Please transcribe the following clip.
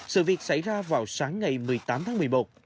sự việc xảy ra vào sáng ngày một mươi tám tháng một mươi một